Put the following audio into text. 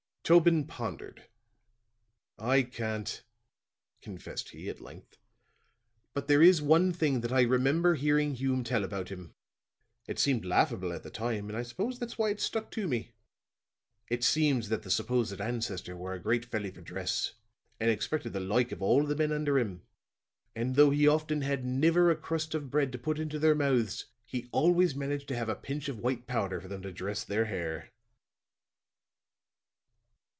Tobin pondered. "I can't," confessed he, at length; "but there is one thing that I remember hearing Hume tell about him; it seemed laughable at the time, and I suppose that's why it's stuck to me. It seems that the supposed ancestor were a great felly for dress, and expected the like of all the men under him; and though he often had niver a crust of bread to put into their mouths, he always managed to have a pinch of white powder for them to dress their hair."